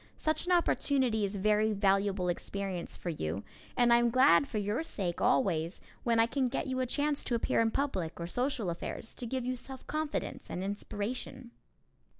Such an opportunity is very valuable experience for you and I am glad for your sake always when I can get you a chance to appear in public or social affairs, to give you self confidence and inspiration.